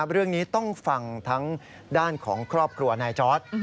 เรื่องนี้ต้องฟังทั้งด้านของครอบครัวนายจอร์ด